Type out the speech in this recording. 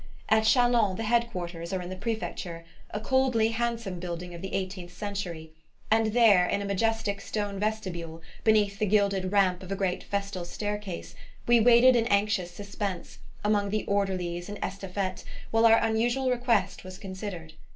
At Chalons the Head quarters are in the Prefecture, a coldly handsome building of the eighteenth century, and there, in a majestic stone vestibule, beneath the gilded ramp of a great festal staircase, we waited in anxious suspense, among the orderlies and estafettes, while our unusual request was considered.